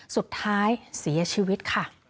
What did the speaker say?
สุดท้ายเสียชีวิตค่ะ